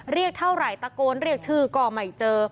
เรียกเท่าไหร่ตะโกนเรียกชื่อก็ไม่เจอ